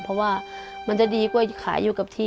เพราะว่ามันจะดีกว่าขายอยู่กับที่